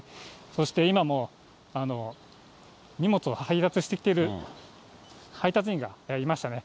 そして今も、荷物を配達してきている配達員がいましたね。